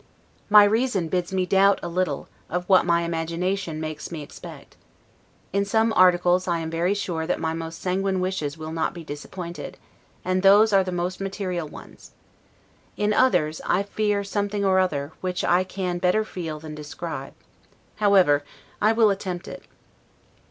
My reason bids me doubt a little, of what my imagination makes me expect. In some articles I am very sure that my most sanguine wishes will not be disappointed; and those are the most material ones. In others, I fear something or other, which I can better feel than describe. However, I will attempt it.